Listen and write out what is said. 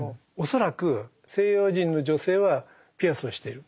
恐らく西洋人の女性はピアスをしている。